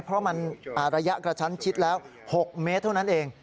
เพราะมันระยะกระชั้นชิดแล้ว๖เมตรเท่านั้นเอง